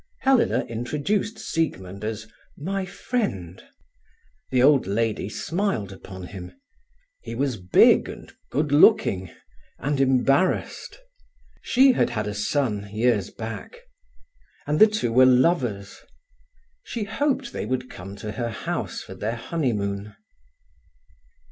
Helena introduced Siegmund as "My friend". The old lady smiled upon him. He was big, and good looking, and embarrassed. She had had a son years back…. And the two were lovers. She hoped they would come to her house for their honeymoon.